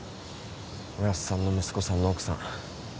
おやっさんの息子さんの奥さん